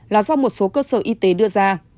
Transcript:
là do một số cơ sở y tế đưa ra